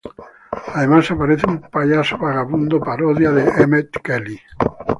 Además aparece un payaso vagabundo, parodia de Emmett Kelly.